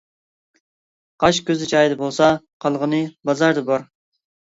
قاش كۆزى جايىدا بولسا، قالغىنى بازاردا بار.